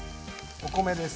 お米です。